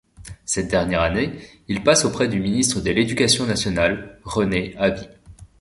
Cette dernière année, il passe auprès du ministre de l'Éducation nationale, René Haby.